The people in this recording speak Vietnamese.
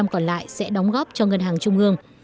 hai mươi còn lại sẽ đóng góp cho ngân hàng trung ương